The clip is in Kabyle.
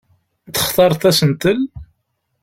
Textareḍ asentel?